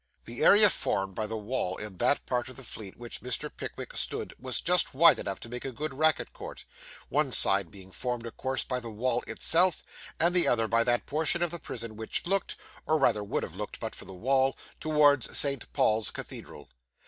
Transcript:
The area formed by the wall in that part of the Fleet in which Mr. Pickwick stood was just wide enough to make a good racket court; one side being formed, of course, by the wall itself, and the other by that portion of the prison which looked (or rather would have looked, but for the wall) towards St. Paul's Cathedral.